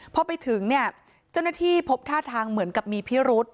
พอไปถึงเนี่ยเจ้าหน้าที่พบท่าทางเหมือนกับมีพิรุษ